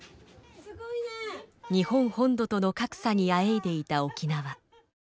日本本土との格差にあえいでいた沖縄。